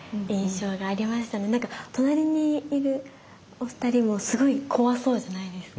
なんか隣にいるお二人もすごい怖そうじゃないですか。